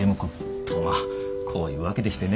とまあこういうわけでしてね。